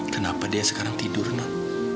kenapa dia sekarang tidur nak